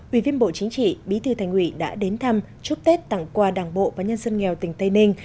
ubnd bí thư thành hủy đã đến thăm chúc tết tặng quà đảng bộ và nhân dân nghèo tỉnh tây ninh